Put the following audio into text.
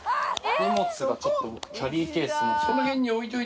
荷物がちょっとキャリーケース。